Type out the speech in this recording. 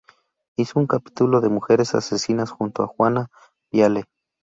Hizo un capítulo de Mujeres Asesinas junto a Juana Viale.